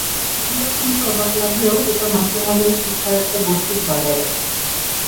কথাটা শুনতে অবাক লাগলেও এটা মানতে হবে শিক্ষার একটা বৈশ্বিক বাজার আছে।